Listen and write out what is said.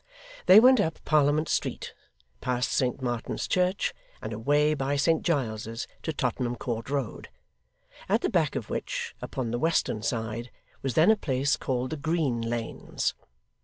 They went up Parliament Street, past Saint Martin's church, and away by Saint Giles's to Tottenham Court Road, at the back of which, upon the western side, was then a place called the Green Lanes.